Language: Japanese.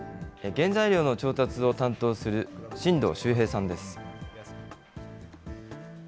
原材料の調達を担当する神藤しゅうへいさんです。